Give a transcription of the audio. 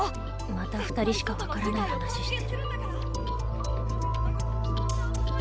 また二人しかわからない話してる。